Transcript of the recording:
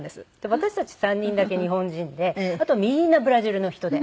私たち３人だけ日本人であとみんなブラジルの人で。